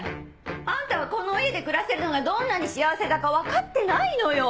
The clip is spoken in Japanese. あんたはこの家で暮らせるのがどんなに幸せだか分かってないのよ！